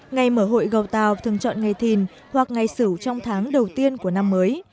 ngày mở hội gầu tàu thường chọn ngày thìn hoặc ngày sử trong tháng đầu tiên của năm mới